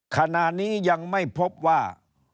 ขณะนี้ยังไม่พบว่า